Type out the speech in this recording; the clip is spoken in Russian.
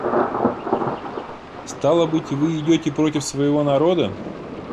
Стало быть, вы идете против своего народа?